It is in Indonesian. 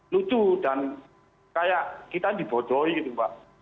lucu dan kayak kita dibodohi gitu mbak